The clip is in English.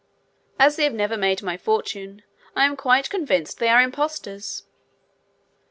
As they have never made my fortune, I am quite convinced they are impostors!